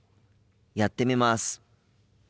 やってみます。